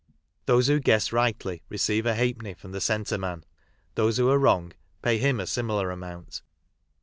Those who guess rightly receive a halfpenny from the centre man 5 those who are wrong pay him a similar amount.